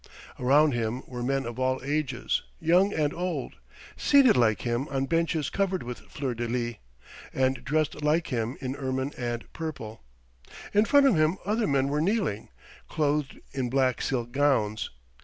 Around him were men of all ages, young and old, seated like him on benches covered with fleurs de lis, and dressed like him in ermine and purple. In front of him other men were kneeling, clothed in black silk gowns.